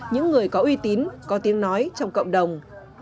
những người có uy tín có tiếng nói trong cộng đồng